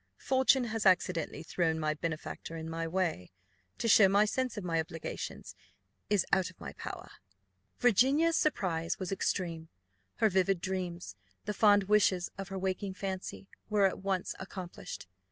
Fortune has accidentally thrown my benefactor in my way. To show my sense of my obligations is out of my power." Virginia's surprise was extreme; her vivid dreams, the fond wishes of her waking fancy, were at once accomplished.